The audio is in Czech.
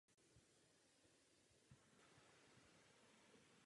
Tato záležitost je jeho odpovědnost.